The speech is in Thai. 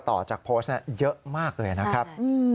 ต่อจากโพสต์เยอะมากเลยนะครับ